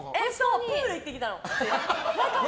プール行ってきたの。